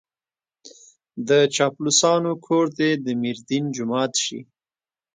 د چاپلوسانو کور دې د ميردين جومات شي.